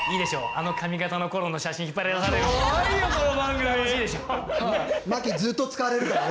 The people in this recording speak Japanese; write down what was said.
あの髪形のころの写真引っ張り出されるの。